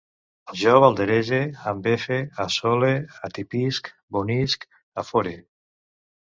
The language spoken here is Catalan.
Jo balderege, em befe, assole, atapisc, bonisc, afore